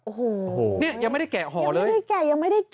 หยังไม่ได้แกะหอเลย